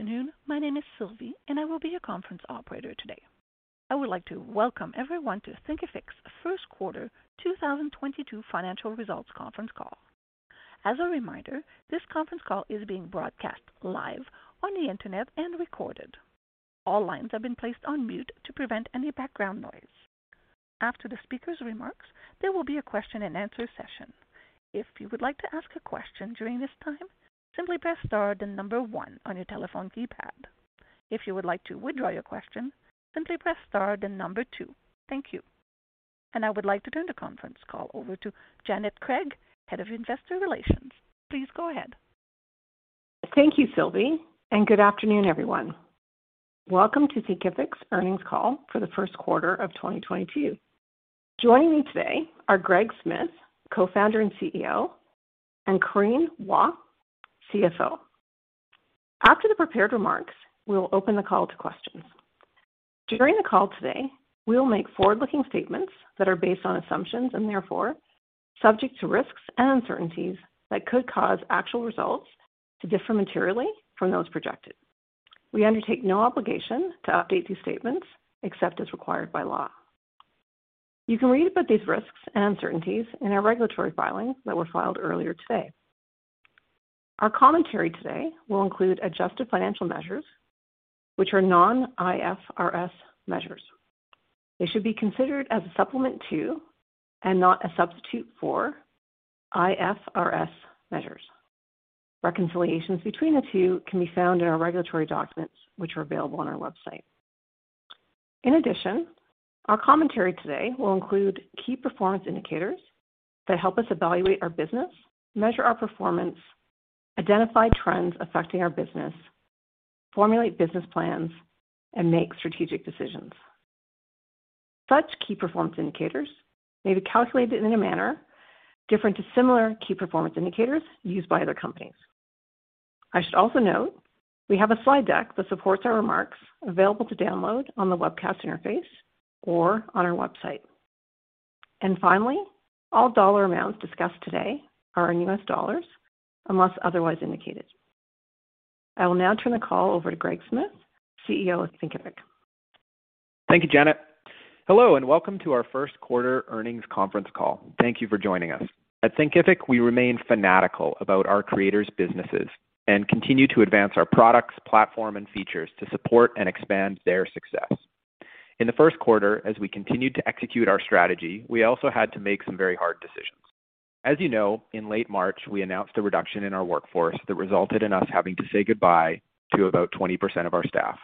Good afternoon. My name is Sylvie, and I will be your conference operator today. I would like to welcome everyone to Thinkific's Q1 2022 financial results conference call. As a reminder, this conference call is being broadcast live on the Internet and recorded. All lines have been placed on mute to prevent any background noise. After the speaker's remarks, there will be a question-and-answer session. If you would like to ask a question during this time, simply press star then number one on your telephone keypad. If you would like to withdraw your question, simply press star then number two. Thank you. I would like to turn the conference call over to Janet Craig, Head of Investor Relations. Please go ahead. Thank you, Sylvie, and good afternoon, everyone. Welcome to Thinkific's earnings call for the Q1 of 2022. Joining me today are Greg Smith, Co-founder and CEO, and Corinne Hua, CFO. After the prepared remarks, we will open the call to questions. During the call today, we will make forward-looking statements that are based on assumptions and therefore subject to risks and uncertainties that could cause actual results to differ materially from those projected. We undertake no obligation to update these statements except as required by law. You can read about these risks and uncertainties in our regulatory filings that were filed earlier today. Our commentary today will include adjusted financial measures, which are non-IFRS measures. They should be considered as a supplement to, and not a substitute for, IFRS measures. Reconciliations between the two can be found in our regulatory documents, which are available on our website. In addition, our commentary today will include key performance indicators that help us evaluate our business, measure our performance, identify trends affecting our business, formulate business plans, and make strategic decisions. Such key performance indicators may be calculated in a manner different to similar key performance indicators used by other companies. I should also note we have a slide deck that supports our remarks available to download on the webcast interface or on our website. Finally, all dollar amounts discussed today are in US dollars unless otherwise indicated. I will now turn the call over to Greg Smith, CEO of Thinkific. Thank you, Janet. Hello, and welcome to our Q1 earnings conference call. Thank you for joining us. At Thinkific, we remain fanatical about our creators' businesses and continue to advance our products, platform, and features to support and expand their success. In the Q1, as we continued to execute our strategy, we also had to make some very hard decisions. As you know, in late March, we announced a reduction in our workforce that resulted in us having to say goodbye to about 20% of our staff.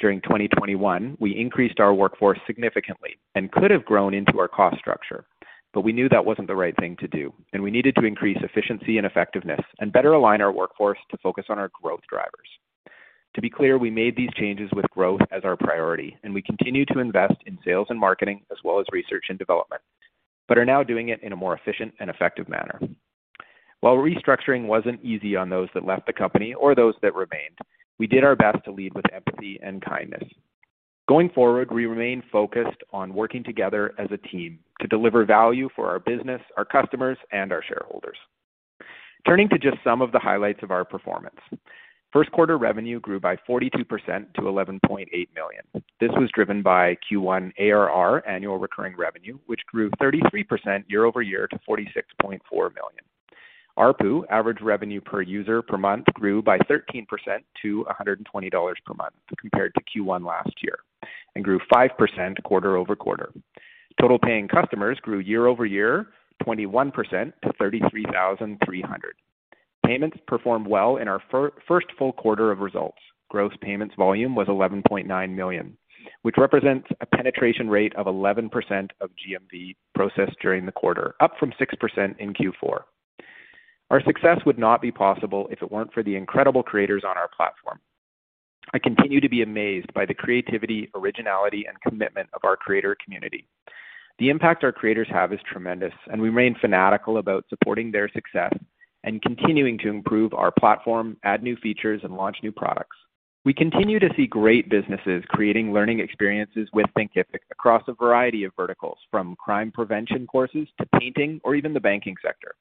During 2021, we increased our workforce significantly and could have grown into our cost structure, but we knew that wasn't the right thing to do, and we needed to increase efficiency and effectiveness and better align our workforce to focus on our growth drivers. To be clear, we made these changes with growth as our priority, and we continue to invest in sales and marketing as well as research and development, but are now doing it in a more efficient and effective manner. While restructuring wasn't easy on those that left the company or those that remained, we did our best to lead with empathy and kindness. Going forward, we remain focused on working together as a team to deliver value for our business, our customers, and our shareholders. Turning to just some of the highlights of our performance. Q1 revenue grew by 42% to $11.8 million. This was driven by Q1 ARR, annual recurring revenue, which grew 33% year-over-year to $46.4 million. ARPU, average revenue per user per month, grew by 13% to $120 per month compared to Q1 last year and grew 5% quarter-over-quarter. Total paying customers grew year-over-year 21% to 33,300. Payments performed well in our first full quarter of results. Gross payments volume was $11.9 million, which represents a penetration rate of 11% of GMV processed during the quarter, up from 6% in Q4. Our success would not be possible if it weren't for the incredible creators on our platform. I continue to be amazed by the creativity, originality, and commitment of our creator community. The impact our creators have is tremendous, and we remain fanatical about supporting their success and continuing to improve our platform, add new features, and launch new products. We continue to see great businesses creating learning experiences with Thinkific across a variety of verticals, from crime prevention courses to painting or even the banking sector.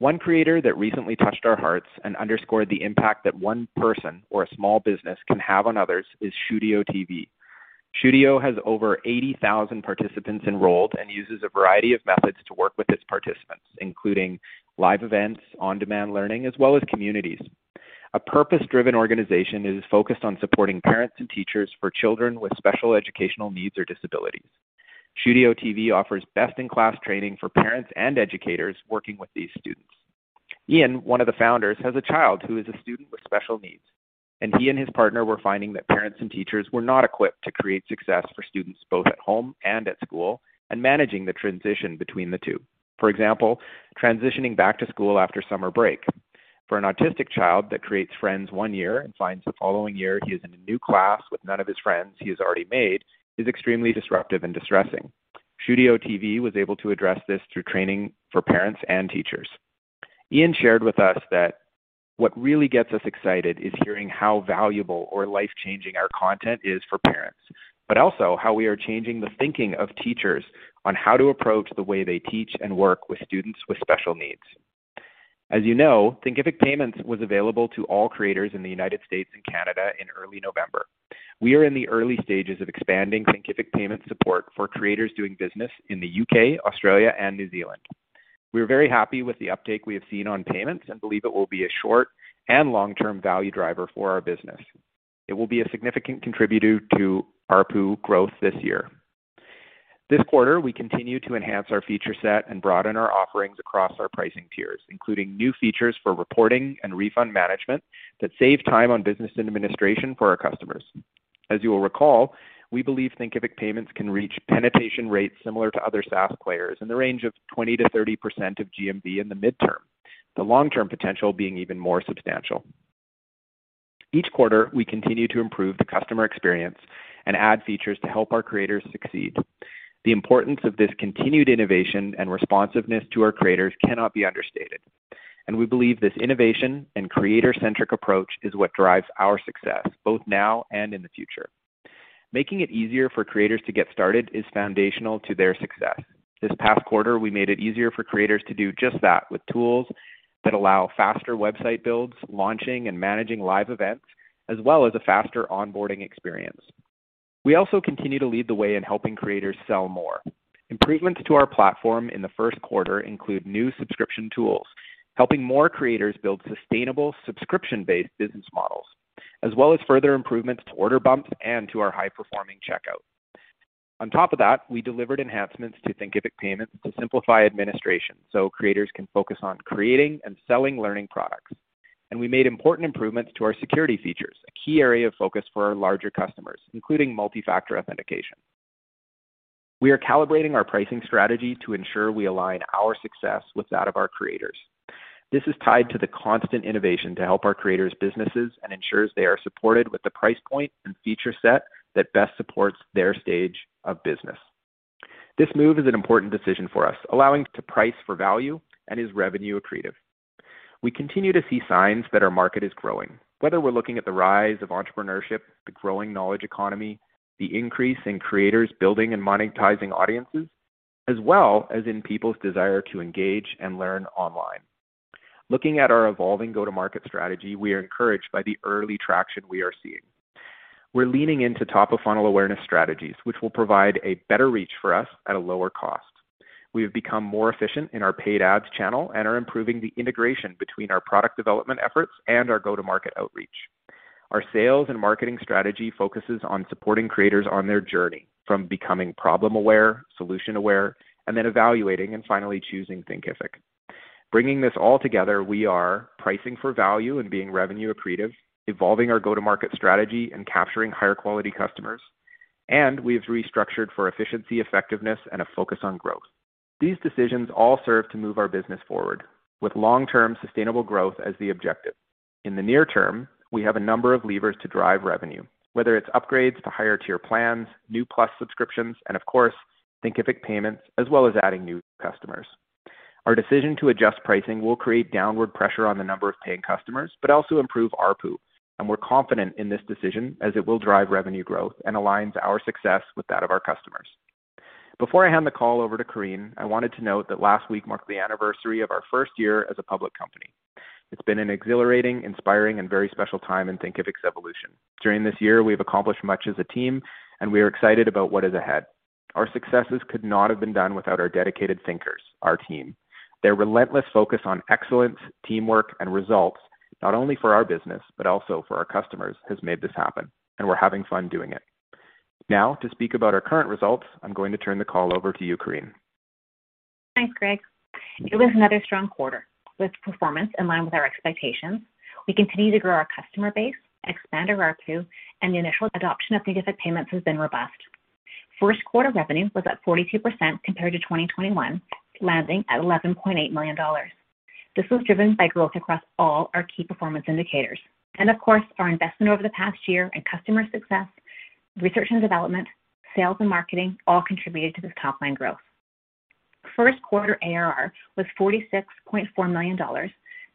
One creator that recently touched our hearts and underscored the impact that one person or a small business can have on others is ShooTV. ShooTV has over 80,000 participants enrolled and uses a variety of methods to work with its participants, including live events, on-demand learning, as well as communities. A purpose-driven organization is focused on supporting parents and teachers for children with special educational needs or disabilities. ShooTV offers best-in-class training for parents and educators working with these students. Ian, one of the founders, has a child who is a student with special needs, and he and his partner were finding that parents and teachers were not equipped to create success for students both at home and at school and managing the transition between the two. For example, transitioning back to school after summer break. For an autistic child that creates friends one year and finds the following year he is in a new class with none of his friends he has already made is extremely disruptive and distressing. ShooTV was able to address this through training for parents and teachers. Ian shared with us that what really gets us excited is hearing how valuable or life-changing our content is for parents. Also how we are changing the thinking of teachers on how to approach the way they teach and work with students with special needs. As you know, Thinkific Payments was available to all creators in the United States and Canada in early November. We are in the early stages of expanding Thinkific Payments support for creators doing business in the U.K., Australia and New Zealand. We're very happy with the uptake we have seen on payments, and believe it will be a short and long-term value driver for our business. It will be a significant contributor to ARPU growth this year. This quarter, we continue to enhance our feature set and broaden our offerings across our pricing tiers, including new features for reporting and refund management that save time on business and administration for our customers. As you will recall, we believe Thinkific Payments can reach penetration rates similar to other SaaS players in the range of 20%-30% of GMV in the midterm. The long-term potential being even more substantial. Each quarter, we continue to improve the customer experience and add features to help our creators succeed. The importance of this continued innovation and responsiveness to our creators cannot be understated, and we believe this innovation and creator-centric approach is what drives our success both now and in the future. Making it easier for creators to get started is foundational to their success. This past quarter, we made it easier for creators to do just that with tools that allow faster website builds, launching and managing live events, as well as a faster onboarding experience. We also continue to lead the way in helping creators sell more. Improvements to our platform in the Q1 include new subscription tools, helping more creators build sustainable subscription-based business models, as well as further improvements to Order Bumps and to our high-performing checkout. On top of that, we delivered enhancements to Thinkific Payments to simplify administration so creators can focus on creating and selling learning products. We made important improvements to our security features, a key area of focus for our larger customers, including multi-factor authentication. We are calibrating our pricing strategy to ensure we align our success with that of our creators. This is tied to the constant innovation to help our creators' businesses and ensures they are supported with the price point and feature set that best supports their stage of business. This move is an important decision for us, allowing to price for value and is revenue accretive. We continue to see signs that our market is growing. Whether we're looking at the rise of entrepreneurship, the growing knowledge economy, the increase in creators building and monetizing audiences, as well as in people's desire to engage and learn online. Looking at our evolving go-to-market strategy, we are encouraged by the early traction we are seeing. We're leaning into top-of-funnel awareness strategies, which will provide a better reach for us at a lower cost. We have become more efficient in our paid ads channel and are improving the integration between our product development efforts and our go-to-market outreach. Our sales and marketing strategy focuses on supporting creators on their journey from becoming problem aware, solution aware, and then evaluating and finally choosing Thinkific. Bringing this all together, we are pricing for value and being revenue accretive, evolving our go-to-market strategy and capturing higher quality customers, and we've restructured for efficiency, effectiveness and a focus on growth. These decisions all serve to move our business forward with long-term sustainable growth as the objective. In the near term, we have a number of levers to drive revenue, whether it's upgrades to higher tier plans, new Plus subscriptions and of course, Thinkific Payments, as well as adding new customers. Our decision to adjust pricing will create downward pressure on the number of paying customers, but also improve ARPU. We're confident in this decision as it will drive revenue growth and aligns our success with that of our customers. Before I hand the call over to Corinne, I wanted to note that last week marked the anniversary of our first year as a public company. It's been an exhilarating, inspiring and very special time in Thinkific's evolution. During this year, we have accomplished much as a team, and we are excited about what is ahead. Our successes could not have been done without our dedicated thinkers, our team. Their relentless focus on excellence, teamwork, and results, not only for our business, but also for our customers, has made this happen, and we're having fun doing it. Now to speak about our current results, I'm going to turn the call over to you, Corinne. Thanks, Greg. It was another strong quarter with performance in line with our expectations. We continue to grow our customer base, expand our ARPU, and the initial adoption of Thinkific Payments has been robust. Q1 revenue was up 42% compared to 2021, landing at $11.8 million. This was driven by growth across all our key performance indicators, and of course, our investment over the past year in customer success, research and development, sales and marketing all contributed to this top line growth. Q1 ARR was $46.4 million,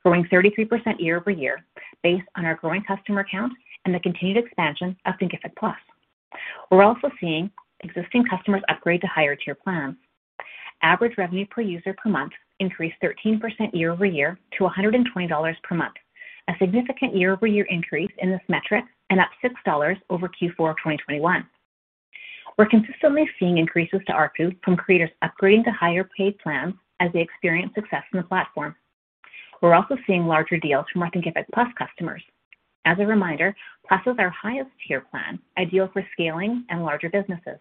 growing 33% year-over-year based on our growing customer count and the continued expansion of Thinkific Plus. We're also seeing existing customers upgrade to higher tier plans. Average revenue per user per month increased 13% year-over-year to $120 per month, a significant year-over-year increase in this metric and up $6 over Q4 of 2021. We're consistently seeing increases to ARPU from creators upgrading to higher paid plans as they experience success in the platform. We're also seeing larger deals from our Thinkific Plus customers. As a reminder, Plus is our highest tier plan, ideal for scaling and larger businesses.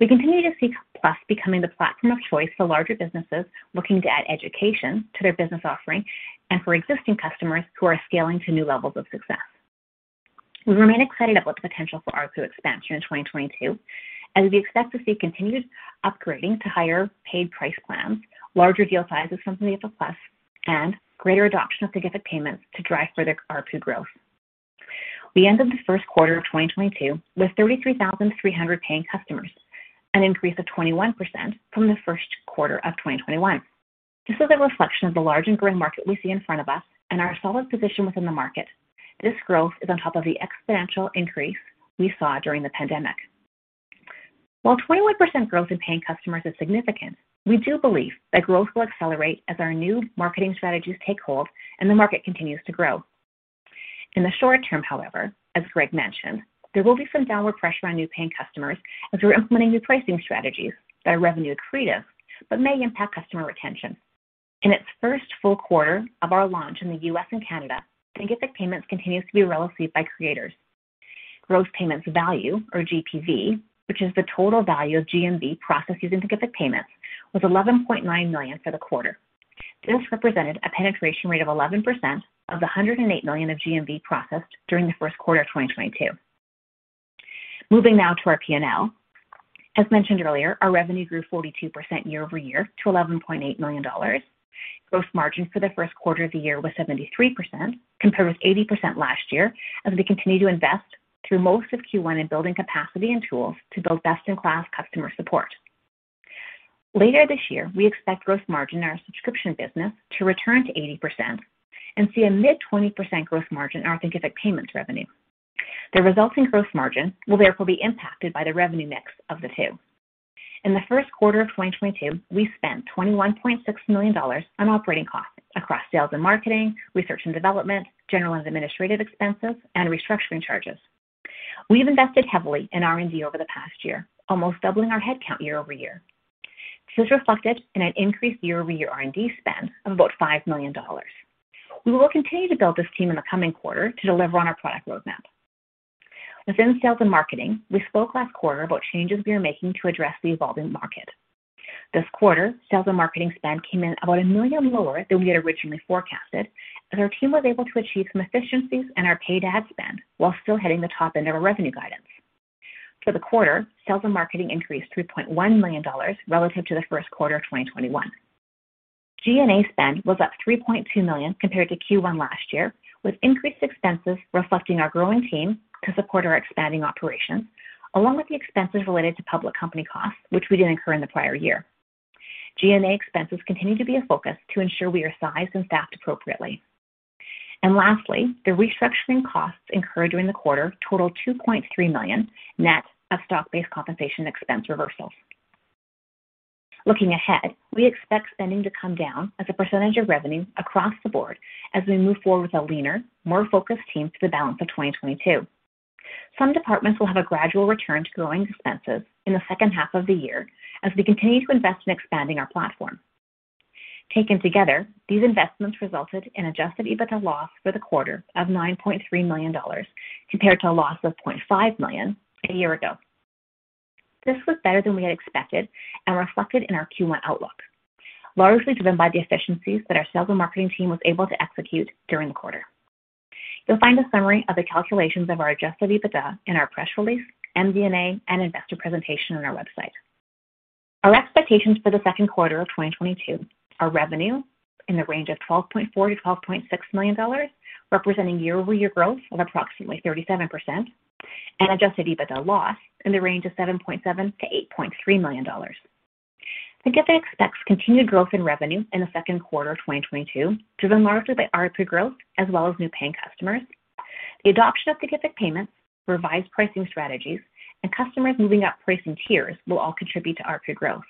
We continue to see Plus becoming the platform of choice for larger businesses looking to add education to their business offering and for existing customers who are scaling to new levels of success. We remain excited about the potential for ARPU expansion in 2022, as we expect to see continued upgrading to higher paid price plans, larger deal sizes from Thinkific Plus, and greater adoption of Thinkific Payments to drive further ARPU growth. We ended the Q1 of 2022 with 33,300 paying customers. An increase of 21% from the Q1 of 2021. This is a reflection of the large and growing market we see in front of us and our solid position within the market. This growth is on top of the exponential increase we saw during the pandemic. While 21% growth in paying customers is significant, we do believe that growth will accelerate as our new marketing strategies take hold and the market continues to grow. In the short term, however, as Greg mentioned, there will be some downward pressure on new paying customers as we're implementing new pricing strategies that are revenue accretive but may impact customer retention. In its first full quarter of our launch in the U.S. and Canada, Thinkific Payments continues to be well-received by creators. Gross payments value, or GPV, which is the total value of GMV processed using Thinkific Payments, was $11.9 million for the quarter. This represented a penetration rate of 11% of the $108 million of GMV processed during the Q1 of 2022. Moving now to our P&L. As mentioned earlier, our revenue grew 42% year-over-year to $11.8 million. Gross margin for the Q1 of the year was 73%, compared with 80% last year, as we continue to invest through most of Q1 in building capacity and tools to build best-in-class customer support. Later this year, we expect gross margin in our subscription business to return to 80% and see a mid 20% gross margin in our Thinkific Payments revenue. The resulting gross margin will therefore be impacted by the revenue mix of the two. In the Q1 of 2022, we spent $21.6 million on operating costs across sales and marketing, research and development, general and administrative expenses, and restructuring charges. We've invested heavily in R&D over the past year, almost doubling our headcount year-over-year. This is reflected in an increased year-over-year R&D spend of about $5 million. We will continue to build this team in the coming quarter to deliver on our product roadmap. Within sales and marketing, we spoke last quarter about changes we are making to address the evolving market. This quarter, sales and marketing spend came in about $1 million lower than we had originally forecasted, as our team was able to achieve some efficiencies in our paid ad spend while still hitting the top end of our revenue guidance. For the quarter, sales and marketing increased $3.1 million relative to the Q1 of 2021. G&A spend was up $3.2 million compared to Q1 last year, with increased expenses reflecting our growing team to support our expanding operations, along with the expenses related to public company costs, which we didn't incur in the prior year. G&A expenses continue to be a focus to ensure we are sized and staffed appropriately. Lastly, the restructuring costs incurred during the quarter totaled $2.3 million, net of stock-based compensation expense reversals. Looking ahead, we expect spending to come down as a percentage of revenue across the board as we move forward with a leaner, more focused team through the balance of 2022. Some departments will have a gradual return to growing expenses in the H2 of the year as we continue to invest in expanding our platform. Taken together, these investments resulted in adjusted EBITDA loss for the quarter of $9.3 million, compared to a loss of $0.5 million a year ago. This was better than we had expected and reflected in our Q1 outlook, largely driven by the efficiencies that our sales and marketing team was able to execute during the quarter. You'll find a summary of the calculations of our adjusted EBITDA in our press release, MD&A, and investor presentation on our website. Our expectations for the Q2 of 2022 are revenue in the range of $12.4 million-$12.6 million, representing year-over-year growth of approximately 37%, and adjusted EBITDA loss in the range of $7.7 million-$8.3 million. Thinkific expects continued growth in revenue in the Q2 of 2022, driven largely by ARPU growth as well as new paying customers. The adoption of Thinkific Payments, revised pricing strategies, and customers moving up pricing tiers will all contribute to ARPU growth.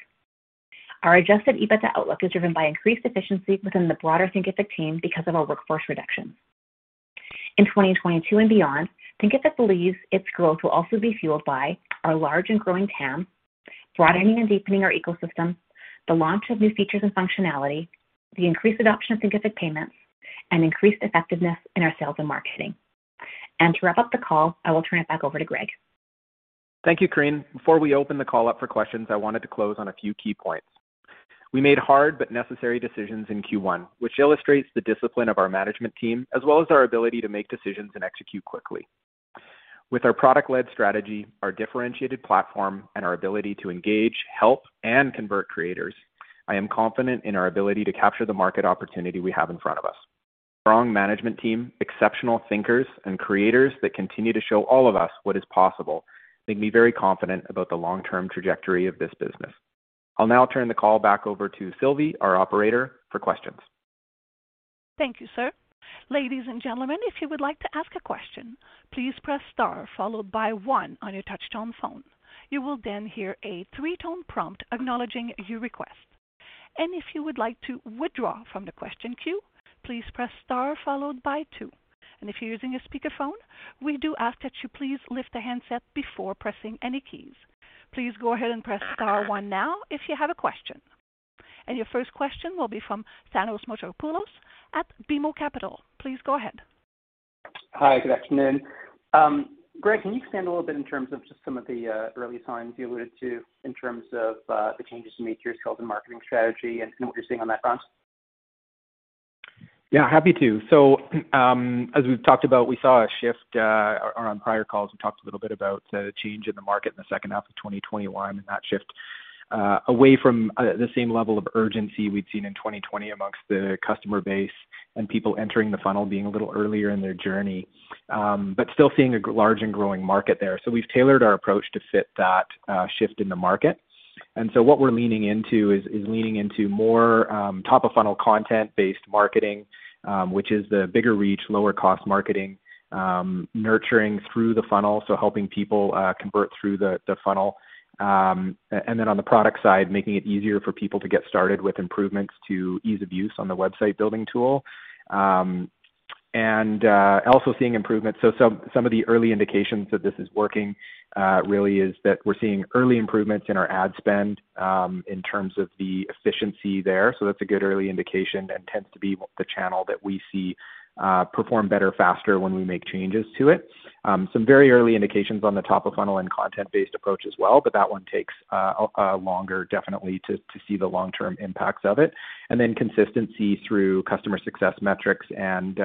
Our adjusted EBITDA outlook is driven by increased efficiency within the broader Thinkific team because of our workforce reductions. In 2022 and beyond, Thinkific believes its growth will also be fueled by our large and growing TAM, broadening and deepening our ecosystem, the launch of new features and functionality, the increased adoption of Thinkific Payments, and increased effectiveness in our sales and marketing. To wrap up the call, I will turn it back over to Greg. Thank you, Corinne. Before we open the call up for questions, I wanted to close on a few key points. We made hard but necessary decisions in Q1, which illustrates the discipline of our management team, as well as our ability to make decisions and execute quickly. With our product-led strategy, our differentiated platform, and our ability to engage, help, and convert creators, I am confident in our ability to capture the market opportunity we have in front of us. Strong management team, exceptional thinkers, and creators that continue to show all of us what is possible make me very confident about the long-term trajectory of this business. I'll now turn the call back over to Sylvie, our operator, for questions. Thank you, sir. Ladies and gentlemen, if you would like to ask a question, please press star followed by one on your touchtone phone. You will then hear a three-tone prompt acknowledging your request. If you would like to withdraw from the question queue, please press star followed by two. If you're using a speakerphone, we do ask that you please lift the handset before pressing any keys. Please go ahead and press star one now if you have a question. Your first question will be from Thanos Moschopoulos at BMO Capital. Please go ahead. Hi, good afternoon. Greg, can you expand a little bit in terms of just some of the early signs you alluded to in terms of the changes you made to your sales and marketing strategy and what you're seeing on that front? Yeah, happy to. As we've talked about, we saw a shift, or on prior calls, we talked a little bit about a change in the market in the H2 of 2021 and that shift away from the same level of urgency we'd seen in 2020 amongst the customer base and people entering the funnel being a little earlier in their journey. Still seeing a large and growing market there. We've tailored our approach to fit that shift in the market. What we're leaning into is leaning into more top of funnel content-based marketing, which is the bigger reach, lower cost marketing, nurturing through the funnel, so helping people convert through the funnel. On the product side, making it easier for people to get started with improvements to ease of use on the website building tool, also seeing improvements. Some of the early indications that this is working really is that we're seeing early improvements in our ad spend in terms of the efficiency there. That's a good early indication and tends to be the channel that we see perform better, faster when we make changes to it. Some very early indications on the top of funnel and content-based approach as well, but that one takes a longer definitely to see the long-term impacts of it. Consistency through customer success metrics and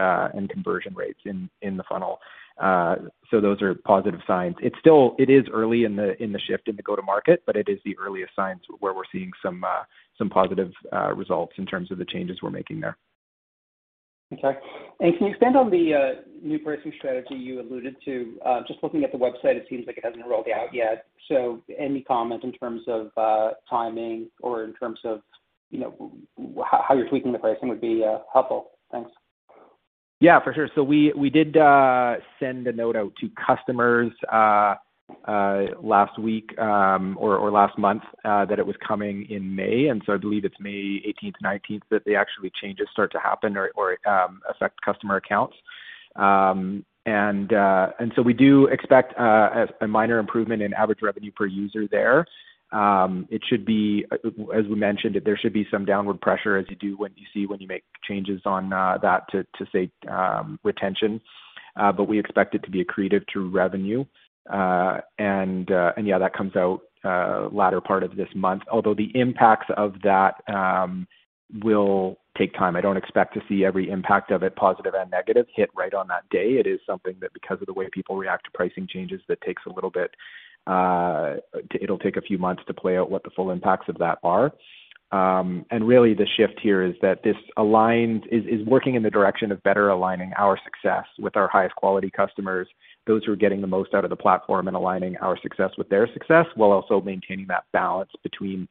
conversion rates in the funnel. Those are positive signs. It is early in the shift in the go-to-market, but it is the earliest signs where we're seeing some positive results in terms of the changes we're making there. Okay. Can you expand on the new pricing strategy you alluded to? Just looking at the website, it seems like it hasn't rolled out yet. Any comment in terms of timing or in terms of, you know, how you're tweaking the pricing would be helpful. Thanks. Yeah, for sure. We did send a note out to customers last week or last month that it was coming in May, and I believe it's May 18th, 19th, that the actual changes start to happen or affect customer accounts. We do expect a minor improvement in average revenue per user there. It should be, as we mentioned, there should be some downward pressure as you do when you make changes to that for the sake of retention, but we expect it to be accretive to revenue. Yeah, that comes out latter part of this month. Although the impacts of that will take time. I don't expect to see every impact of it, positive and negative, hit right on that day. It is something that, because of the way people react to pricing changes, takes a little bit. It'll take a few months to play out what the full impacts of that are. Really the shift here is that this is working in the direction of better aligning our success with our highest quality customers, those who are getting the most out of the platform, and aligning our success with their success, while also maintaining that balance between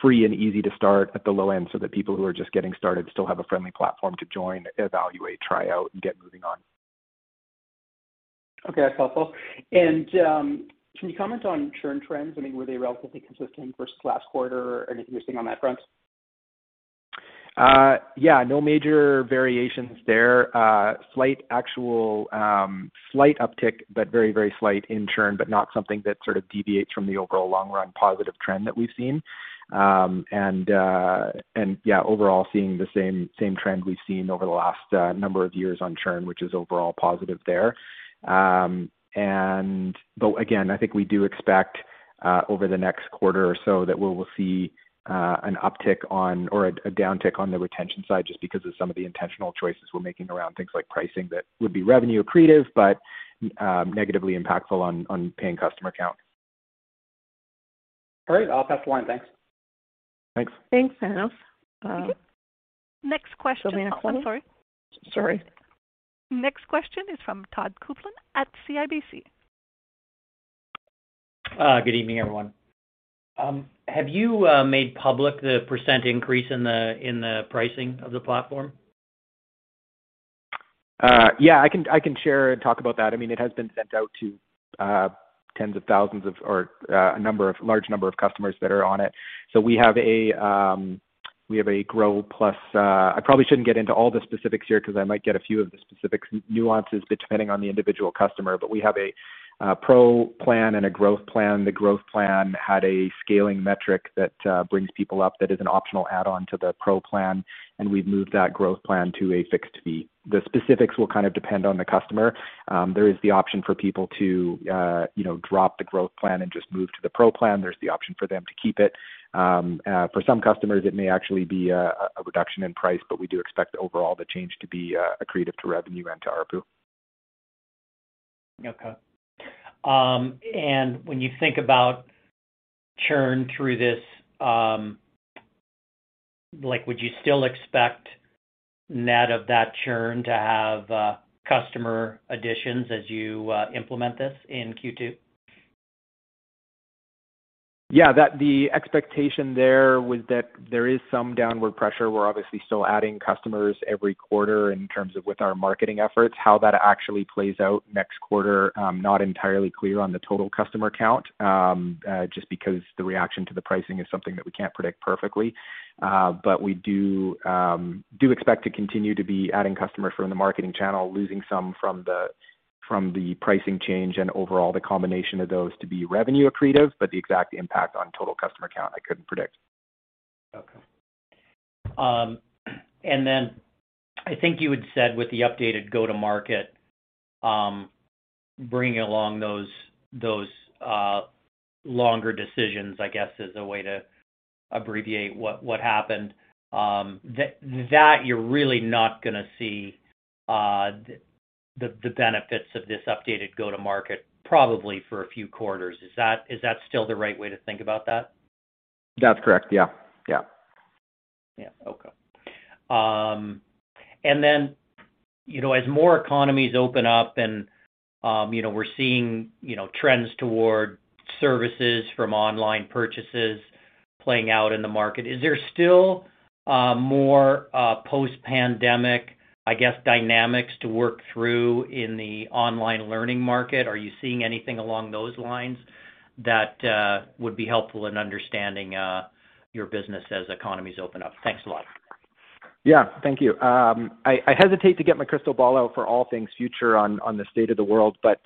free and easy to start at the low end so that people who are just getting started still have a friendly platform to join, evaluate, try out, and get moving on. Okay, that's helpful. Can you comment on churn trends? I mean, were they relatively consistent versus last quarter? Anything interesting on that front? Yeah, no major variations there. Slight, actually, slight uptick, but very, very slight in churn, but not something that sort of deviates from the overall long-run positive trend that we've seen. Yeah, overall, seeing the same trend we've seen over the last number of years on churn, which is overall positive there. But again, I think we do expect over the next quarter or so that we will see an uptick on or a downtick on the retention side just because of some of the intentional choices we're making around things like pricing that would be revenue accretive, but negatively impactful on paying customer count. All right. I'll pass the line. Thanks. Thanks. Thanks, Thanos. Mm-hmm. Next question. The next one? Oh, I'm sorry. Sorry. Next question is from Todd Coupland at CIBC. Good evening, everyone. Have you made public the percent increase in the pricing of the platform? Yeah. I can share and talk about that. I mean, it has been sent out to a large number of customers that are on it. We have a Pro plan and a Grow plan. I probably shouldn't get into all the specifics here 'cause I might get a few of the specific nuances depending on the individual customer. The Grow plan had a scaling metric that brings people up that is an optional add-on to the Pro plan, and we've moved that Grow plan to a fixed fee. The specifics will kind of depend on the customer. There is the option for people to, you know, drop the Grow plan and just move to the Pro plan. There's the option for them to keep it. For some customers, it may actually be a reduction in price, but we do expect overall the change to be accretive to revenue and to ARPU. Okay. When you think about churn through this, like would you still expect net of that churn to have customer additions as you implement this in Q2? Yeah, that the expectation there was that there is some downward pressure. We're obviously still adding customers every quarter in terms of with our marketing efforts. How that actually plays out next quarter, not entirely clear on the total customer count, just because the reaction to the pricing is something that we can't predict perfectly. We do expect to continue to be adding customers from the marketing channel, losing some from the pricing change and overall the combination of those to be revenue accretive, but the exact impact on total customer count, I couldn't predict. Okay. I think you had said with the updated go-to-market, bringing along those longer decisions, I guess, is a way to abbreviate what happened, that you're really not gonna see the benefits of this updated go-to-market probably for a few quarters. Is that still the right way to think about that? That's correct. Yeah. Yeah. Yeah. Okay. You know, as more economies open up and, you know, we're seeing, you know, trends toward services from online purchases playing out in the market, is there still more post-pandemic, I guess, dynamics to work through in the online learning market? Are you seeing anything along those lines that would be helpful in understanding your business as economies open up? Thanks a lot. Yeah. Thank you. I hesitate to get my crystal ball out for all things future on the state of the world, but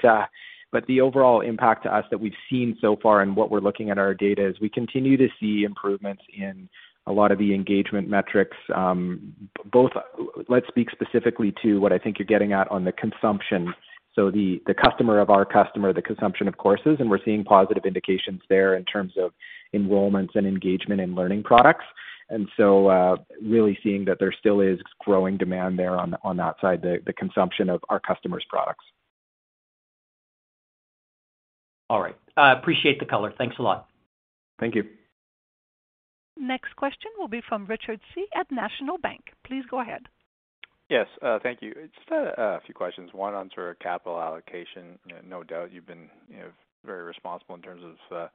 the overall impact to us that we've seen so far and what we're looking at our data is we continue to see improvements in a lot of the engagement metrics. Let's speak specifically to what I think you're getting at on the consumption, so the customer of our customer, the consumption of courses, and we're seeing positive indications there in terms of enrollments and engagement in learning products. Really seeing that there still is growing demand there on that side, the consumption of our customers' products. All right. I appreciate the color. Thanks a lot. Thank you. Next question will be from Richard Tse at National Bank Financial. Please go ahead. Yes. Thank you. Just a few questions. One on sort of capital allocation. No doubt you've been, you know, very responsible in terms of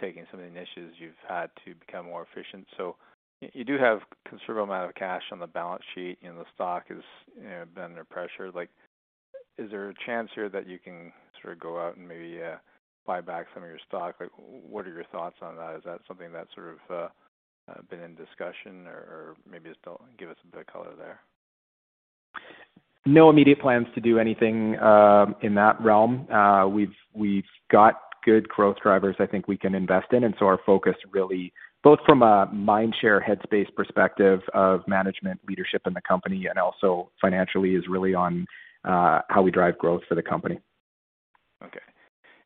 taking some of the initiatives you've had to become more efficient. You do have considerable amount of cash on the balance sheet, and the stock has, you know, been under pressure. Like, is there a chance here that you can sort of go out and maybe buy back some of your stock? Like, what are your thoughts on that? Is that something that's sort of been in discussion? Give us a bit of color there. No immediate plans to do anything in that realm. We've got good growth drivers I think we can invest in, and so our focus really, both from a mind share headspace perspective of management leadership in the company and also financially, is really on how we drive growth for the company. Okay.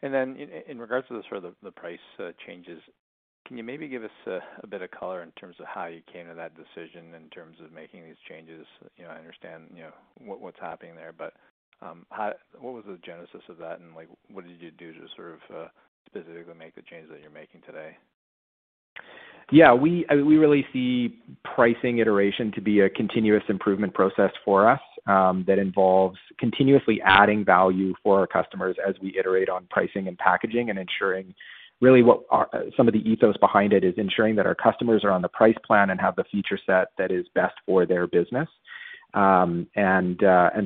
In regards to sort of the price changes, can you maybe give us a bit of color in terms of how you came to that decision in terms of making these changes? You know, I understand, you know, what's happening there, but how? What was the genesis of that, and like, what did you do to sort of specifically make the changes that you're making today? Yeah. We really see pricing iteration to be a continuous improvement process for us that involves continuously adding value for our customers as we iterate on pricing and packaging and ensuring really some of the ethos behind it is ensuring that our customers are on the price plan and have the feature set that is best for their business.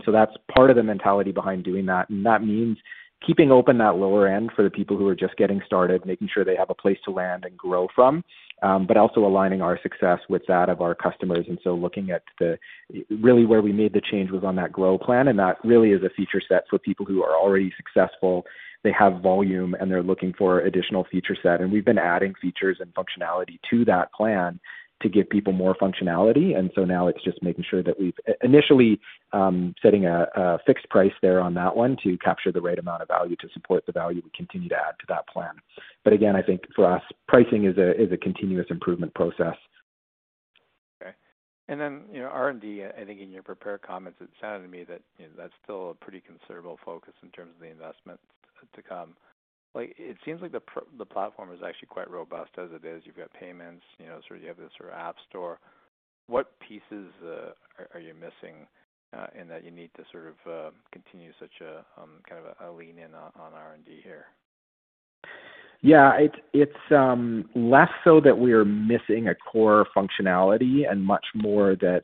That's part of the mentality behind doing that, and that means keeping open that lower end for the people who are just getting started, making sure they have a place to land and grow from, but also aligning our success with that of our customers. Looking at the, really, where we made the change was on that Grow plan, and that really is a feature set for people who are already successful. They have volume, and they're looking for additional feature set. We've been adding features and functionality to that plan to give people more functionality. Now it's just making sure that we've initially setting a fixed price there on that one to capture the right amount of value to support the value we continue to add to that plan. Again, I think for us, pricing is a continuous improvement process. Okay. You know, R&D, I think in your prepared comments, it sounded to me that, you know, that's still a pretty considerable focus in terms of the investment to come. Like, it seems like the platform is actually quite robust as it is. You've got payments, you know, sort of you have this sort of app store. What pieces are you missing in that you need to sort of continue such a kind of a lean in on R&D here? Yeah. It's less so that we're missing a core functionality and much more that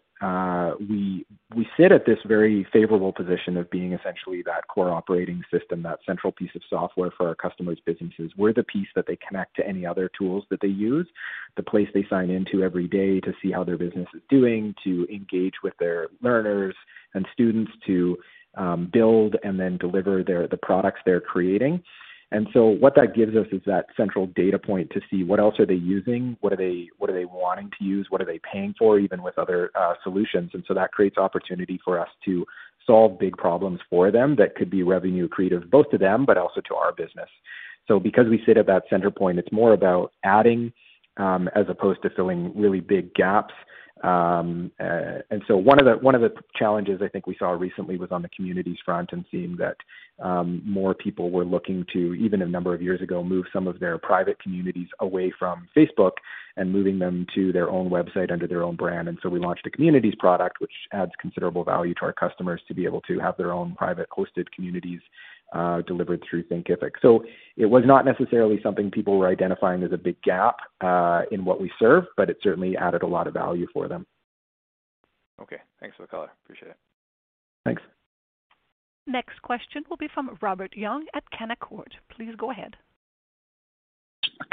we sit at this very favorable position of being essentially that core operating system, that central piece of software for our customers' businesses. We're the piece that they connect to any other tools that they use, the place they sign into every day to see how their business is doing, to engage with their learners and students, to build and then deliver their products they're creating. What that gives us is that central data point to see what else are they using, what are they wanting to use, what are they paying for even with other solutions. That creates opportunity for us to solve big problems for them that could be revenue accretive both to them but also to our business. Because we sit at that center point, it's more about adding, as opposed to filling really big gaps. One of the challenges I think we saw recently was on the communities front and seeing that more people were looking to, even a number of years ago, move some of their private communities away from Facebook and moving them to their own website under their own brand. We launched a communities product which adds considerable value to our customers to be able to have their own private hosted communities, delivered through Thinkific. It was not necessarily something people were identifying as a big gap, in what we serve, but it certainly added a lot of value for them. Okay. Thanks for the color. Appreciate it. Thanks. Next question will be from Robert Young at Canaccord. Please go ahead.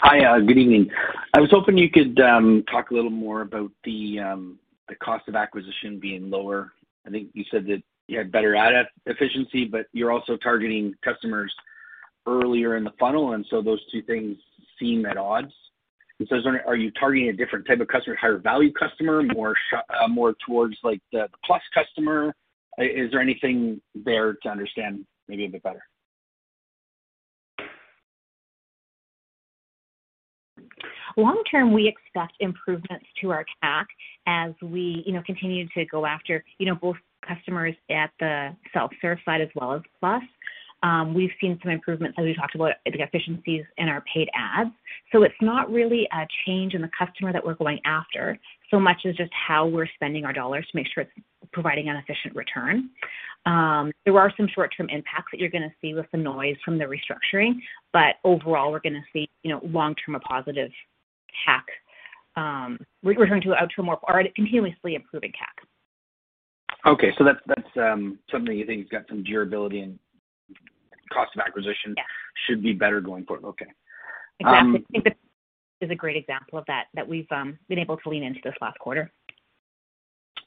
Hi. Good evening. I was hoping you could talk a little more about the cost of acquisition being lower. I think you said that you had better ad efficiency, but you're also targeting customers earlier in the funnel, and so those two things seem at odds. Are you targeting a different type of customer, higher value customer, more towards like the Plus customer? Is there anything there to understand maybe a bit better? Long term, we expect improvements to our CAC as we, you know, continue to go after, you know, both customers at the self-serve side as well as Plus. We've seen some improvements as we talked about the efficiencies in our paid ads. It's not really a change in the customer that we're going after so much as just how we're spending our dollars to make sure it's providing an efficient return. There are some short-term impacts that you're gonna see with the noise from the restructuring, but overall we're gonna see, you know, long-term a positive CAC. We're returning to a more continuously improving CAC. Okay. That's something you think has got some durability and cost of acquisition. Yeah. Should be better going forward. Okay. Exactly. I think this is a great example of that we've been able to lean into this last quarter.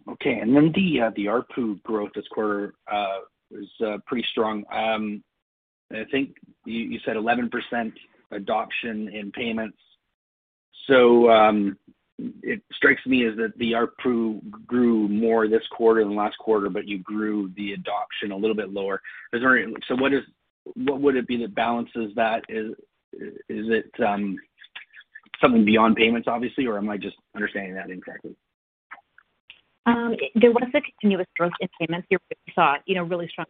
Okay. Then the ARPU growth this quarter was pretty strong. I think you said 11% adoption in payments. It strikes me as that the ARPU grew more this quarter than last quarter, but you grew the adoption a little bit lower. What would it be that balances that? Is it something beyond payments obviously, or am I just understanding that incorrectly? There was a continuous growth in payments. We saw, you know, really strong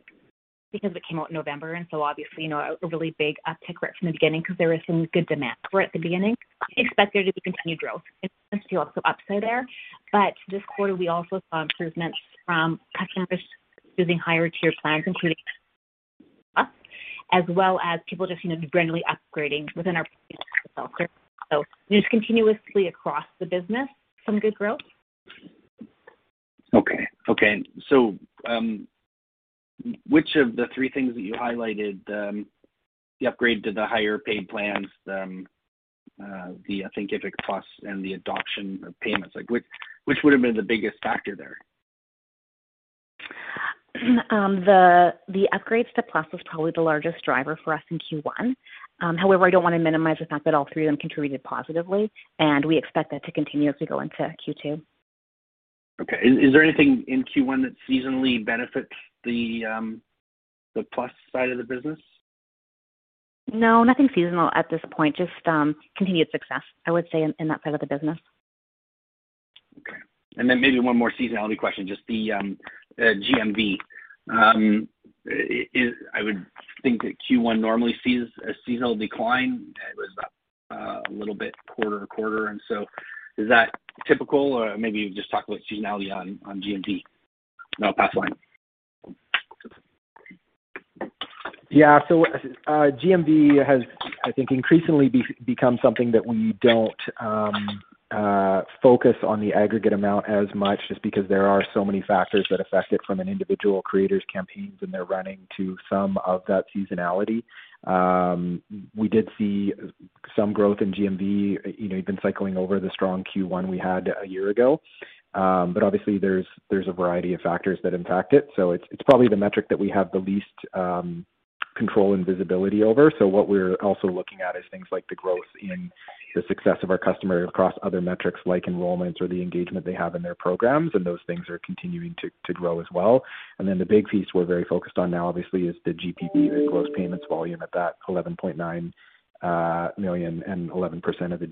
because it came out in November and so obviously, you know, a really big uptick right from the beginning 'cause there was some good demand for it at the beginning. Expect there to be continued growth. It seems to be also upside there. This quarter, we also saw improvements from customers using higher tier plans, including Plus, as well as people just, you know, gradually upgrading within our self-serve. Just continuously across the business, some good growth. Okay. Which of the three things that you highlighted, the upgrade to the higher paid plans, I think Thinkific Plus and the adoption of payments, like which would have been the biggest factor there? The upgrades to Plus was probably the largest driver for us in Q1. However, I don't wanna minimize the fact that all three of them contributed positively, and we expect that to continue as we go into Q2. Okay. Is there anything in Q1 that seasonally benefits the Plus side of the business? No, nothing seasonal at this point. Just, continued success, I would say in that side of the business. Okay. Maybe one more seasonality question, just the GMV. I would think that Q1 normally sees a seasonal decline. It was up a little bit quarter to quarter, is that typical, or maybe just talk about seasonality on GMV. I'll pass the line. Yeah. GMV has, I think, increasingly become something that we don't focus on the aggregate amount as much just because there are so many factors that affect it from an individual creator's campaigns and their running to some of that seasonality. We did see some growth in GMV. You know, you've been cycling over the strong Q1 we had a year ago. Obviously there's a variety of factors that impact it. It's probably the metric that we have the least control and visibility over. What we're also looking at is things like the growth in the success of our customer across other metrics like enrollments or the engagement they have in their programs, and those things are continuing to grow as well. The big piece we're very focused on now obviously is the GPV, the gross payments volume at that $11.9 million and 11% of the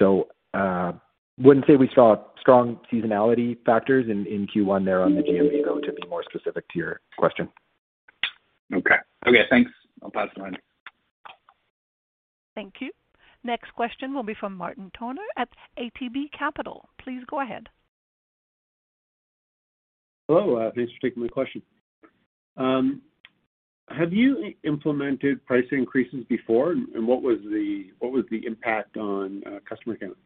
GMV. Wouldn't say we saw strong seasonality factors in Q1 there on the GMV, though, to be more specific to your question. Okay. Okay, thanks. I'll pass the line. Thank you. Next question will be from Martin Toner at ATB Capital. Please go ahead. Hello. Thanks for taking my question. Have you implemented price increases before? What was the impact on customer counts?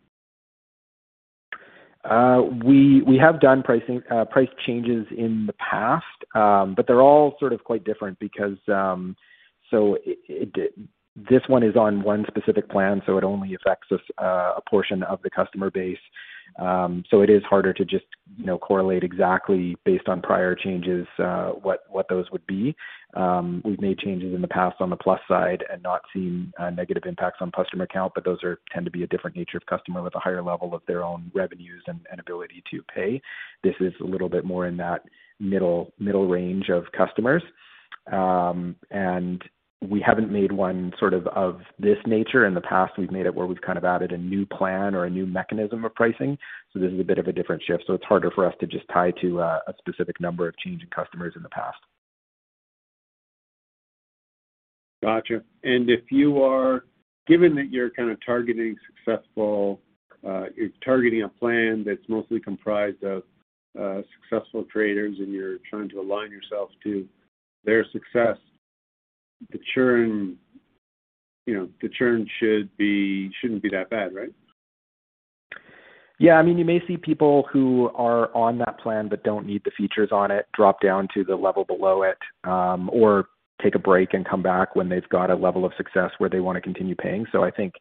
We have done pricing price changes in the past, but they're all sort of quite different because this one is on one specific plan, so it only affects a portion of the customer base. It is harder to just, you know, correlate exactly based on prior changes what those would be. We've made changes in the past on the Plus side and not seen negative impacts on customer count, but those tend to be a different nature of customer with a higher level of their own revenues and ability to pay. This is a little bit more in that middle range of customers. We haven't made one sort of this nature. In the past, we've made it where we've kind of added a new plan or a new mechanism of pricing. This is a bit of a different shift, so it's harder for us to just tie to a specific number of change in customers in the past. Gotcha. Given that you're kinda targeting a plan that's mostly comprised of successful traders and you're trying to align yourself to their success, the churn, you know, should be, shouldn't be that bad, right? Yeah. I mean, you may see people who are on that plan but don't need the features on it drop down to the level below it, or take a break and come back when they've got a level of success where they wanna continue paying. I think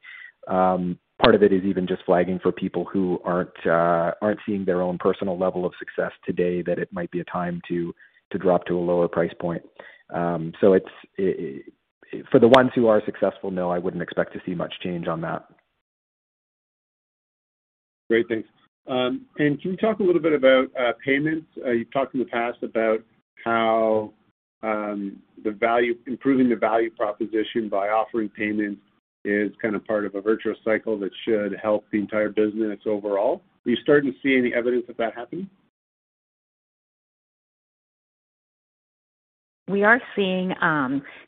part of it is even just flagging for people who aren't seeing their own personal level of success today that it might be a time to drop to a lower price point. For the ones who are successful, no, I wouldn't expect to see much change on that. Great. Thanks. Can you talk a little bit about payments? You've talked in the past about how improving the value proposition by offering payments is kind of part of a virtuous cycle that should help the entire business overall. Are you starting to see any evidence of that happening? We are seeing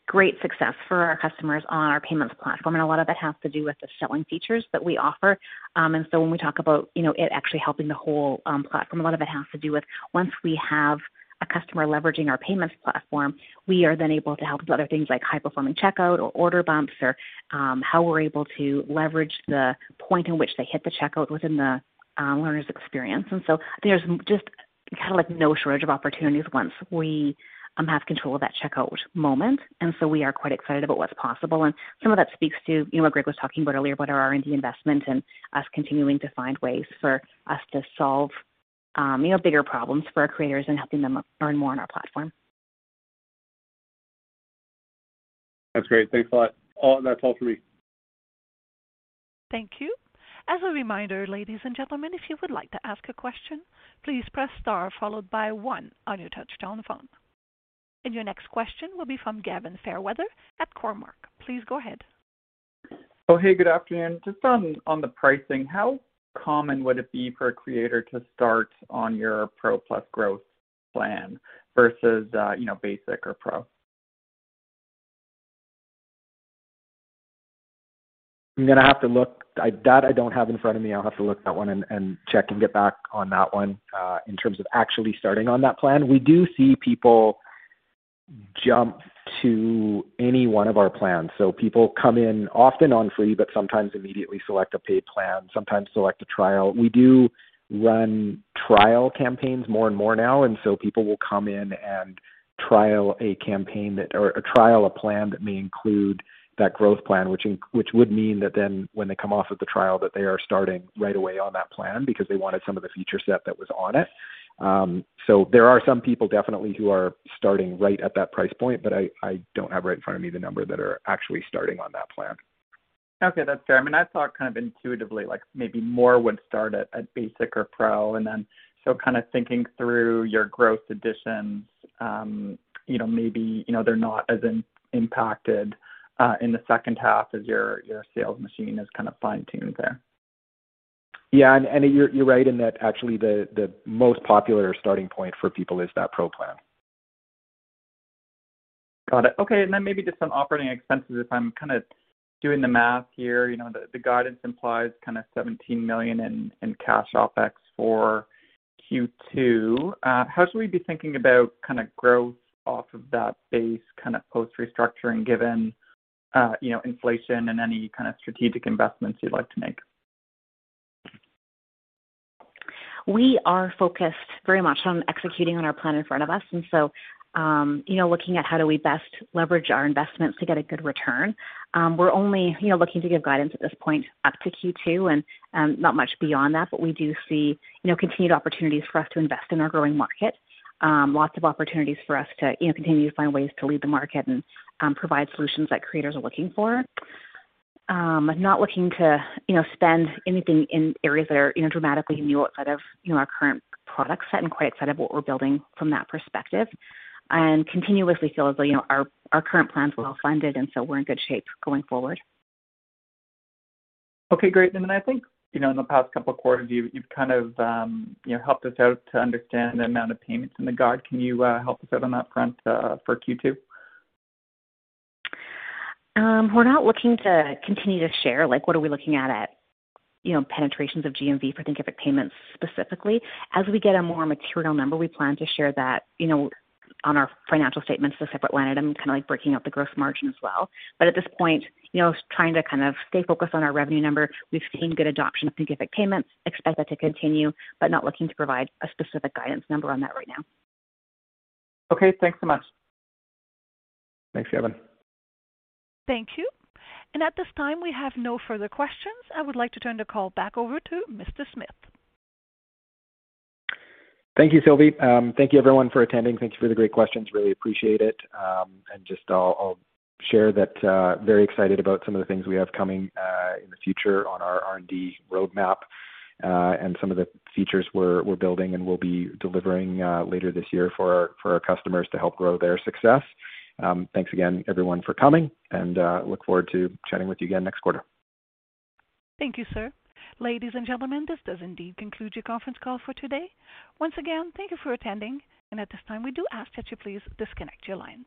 great success for our customers on our payments platform, and a lot of it has to do with the selling features that we offer. When we talk about, you know, it actually helping the whole platform, a lot of it has to do with once we have a customer leveraging our payments platform, we are then able to help with other things like high-performing checkout or Order Bumps or how we're able to leverage the point in which they hit the checkout within the learner's experience. There's just kinda like no shortage of opportunities once we have control of that checkout moment. We are quite excited about what's possible. Some of that speaks to, you know, what Greg was talking about earlier about our R&D investment and us continuing to find ways for us to solve, you know, bigger problems for our creators and helping them earn more on our platform. That's great. Thanks a lot. That's all for me. Thank you. As a reminder, ladies and gentlemen, if you would like to ask a question, please press star followed by one on your touchtone phone. Your next question will be from Gavin Fairweather at Cormark. Please go ahead. Good afternoon. Just on the pricing, how common would it be for a creator to start on your Pro, Plus, Grow plan versus, you know, Basic or Pro? I'm gonna have to look. That, I don't have in front of me. I'll have to look that one and check and get back on that one. In terms of actually starting on that plan, we do see people jump to any one of our plans. People come in often on Free, but sometimes immediately select a paid plan, sometimes select a trial. We do run trial campaigns more and more now, and people will come in and trial a campaign that or trial a plan that may include that Grow plan, which would mean that then when they come off of the trial, that they are starting right away on that plan because they wanted some of the feature set that was on it. There are some people definitely who are starting right at that price point, but I don't have right in front of me the number that are actually starting on that plan. Okay, that's fair. I mean, I thought kind of intuitively like maybe more would start at Basic or Pro, and then so kinda thinking through your growth additions, you know, maybe they're not as impacted in the H2 as your sales machine is kinda fine-tuned there. Yeah, you're right in that actually the most popular starting point for people is that Pro plan. Got it. Okay, maybe just on operating expenses, if I'm kinda doing the math here, you know, the guidance implies kinda $17 million in cash OpEx for Q2. How should we be thinking about kinda growth off of that base kinda post-restructuring given, you know, inflation and any kinda strategic investments you'd like to make? We are focused very much on executing on our plan in front of us, and so, you know, looking at how do we best leverage our investments to get a good return. We're only, you know, looking to give guidance at this point up to Q2 and, not much beyond that. We do see, you know, continued opportunities for us to invest in our growing market. Lots of opportunities for us to, you know, continue to find ways to lead the market and, provide solutions that creators are looking for. Not looking to, you know, spend anything in areas that are, you know, dramatically new outside of, you know, our current product set and quite excited of what we're building from that perspective. Continuously feel as though, you know, our current plans are well-funded, and so we're in good shape going forward. Okay, great. I think, you know, in the past couple of quarters, you've kind of, you know, helped us out to understand the amount of payments in the queue. Can you help us out on that front for Q2? We're not looking to continue to share, like what are we looking at, you know, penetrations of GMV for Thinkific Payments specifically. As we get a more material number, we plan to share that, you know, on our financial statements as a separate line item, kinda like breaking out the gross margin as well. At this point, you know, trying to kind of stay focused on our revenue number. We've seen good adoption of Thinkific Payments, expect that to continue, but not looking to provide a specific guidance number on that right now. Okay. Thanks so much. Thanks, Gavin. Thank you. At this time, we have no further questions. I would like to turn the call back over to Mr. Smith. Thank you, Sylvie. Thank you everyone for attending. Thank you for the great questions. Really appreciate it. Just I'll share that very excited about some of the things we have coming in the future on our R&D roadmap, and some of the features we're building and we'll be delivering later this year for our customers to help grow their success. Thanks again everyone for coming, and look forward to chatting with you again next quarter. Thank you, sir. Ladies and gentlemen, this does indeed conclude your conference call for today. Once again, thank you for attending, and at this time, we do ask that you please disconnect your lines.